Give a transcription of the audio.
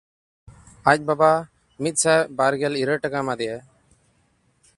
ᱟᱡ ᱵᱟᱵᱟ ᱢᱤᱫᱥᱟᱭ ᱵᱟᱨᱜᱮᱞ ᱤᱨᱟᱹᱞ ᱴᱟᱠᱟ ᱮᱢᱟ ᱫᱮᱭᱟᱭ᱾